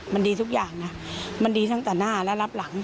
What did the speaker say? มันดีทุกอย่างนะมันดีตั้งแต่หน้าและรับหลัง